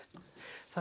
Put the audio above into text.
さあ